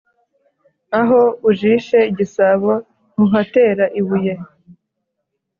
Aho ujishe igisabo ntuhatera ibuye